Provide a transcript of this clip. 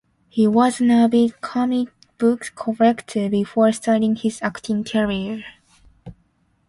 He was an avid comic book collector before starting his acting career.